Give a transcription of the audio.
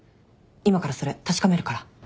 今からそれ確かめるから。